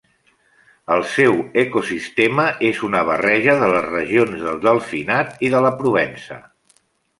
El seu ecosistema és una barreja de les regions del Delfinat i de la Provença.